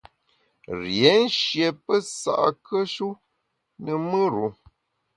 Rié nshié pesa’kùe-shu ne mùr-u.